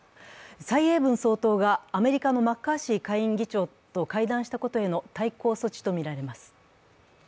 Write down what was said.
蔡英文総統がアメリカのマッカーシー下院議長と会談したことへの対抗措置とみられます。